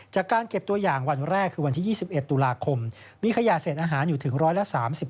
จากการเก็บตัวอย่างวันแรกคือวันที่๒๑ตุลาคมมีขยะเศษอาหารอยู่ถึงร้อยละ๓๕